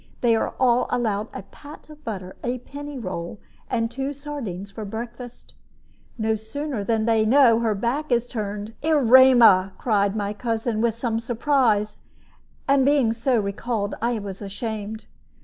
They are all allowed a pat of butter, a penny roll, and two sardines for breakfast. No sooner do they know that her back is turned " "Erema!" cried my cousin, with some surprise; and being so recalled, I was ashamed.